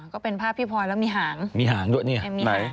ก็เป็นภาพพี่พอยแล้วมีหางเป็นไหนเชิร์มมาเนี่ย